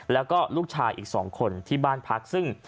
แล้วก็ลูกชายอีก๒คนที่บ้านพักซึ่ง